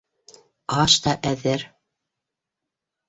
Аш та әҙер.